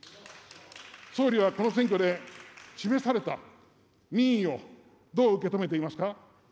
総理はこの選挙で示された民意をどう受け止めていますか。